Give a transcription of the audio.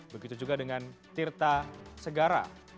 begitu juga dengan tirta segara